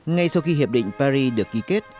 ngay sau khi hiệp định paris được ký kết